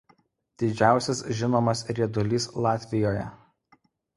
Didžiausias žinomas riedulys Latvijoje.